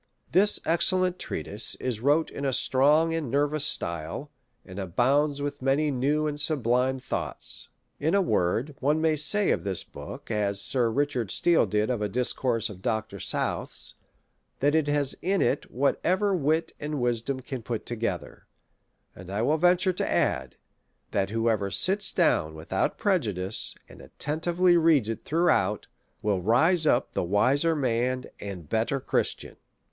" This excellent treatise is wrote in a strong and nervous style, and abounds with many new and sublime thoughts : in a word, one may say of this book as Sir Richard Steele did of a discourse of Dr. South's, that it has in it whatever wit and wisdom can put together; and 1 will venture to add, that whoever sits down without prejudice, and attentively reads it throughout, will rise up the wiser man and better Christian.